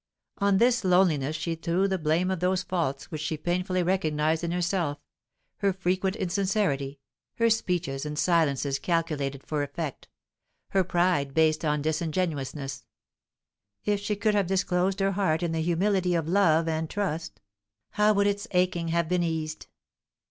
On this loneliness she threw the blame of those faults which she painfully recognized in herself her frequent insincerity, her speeches and silences calculated for effect, her pride based on disingenuousness. If she could but have disclosed her heart in the humility of love and trust, how would its aching have been eased!